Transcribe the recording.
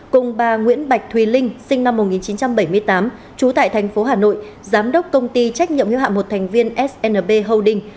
cùng bà nguyễn bạch thùy linh sinh năm một nghìn chín trăm bảy mươi tám trú tại thành phố hà nội giám đốc công ty trách nhiệm hiếu hạm một thành viên snb holding